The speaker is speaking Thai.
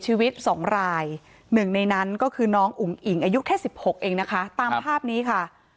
นี่เขาอยู่ดีนิดนิดหน่อยกันชะมัดจะจบถือยิ่งกันชะมัด